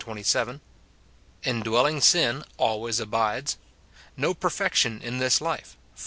27 — Indwelling sin always abides; no perfection in this life, Phil.